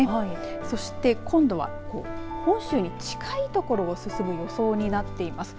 そして今度は本州に近いところを進む予想になっています。